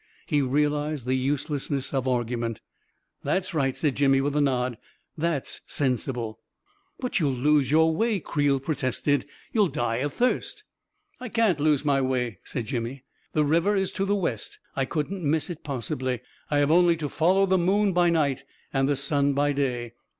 He realized the uselessness of argument " That's right," said Jimmy, with a nod. " That's sensible." 11 But you will lose your way," Creel protested. 44 You'll die of thirst." 382 A KING IN BABYLON "I can't lose my way," said Jimmy. "The river is to the west — I couldn't miss it possibly — I have only to follow the moon by night and the sun by day.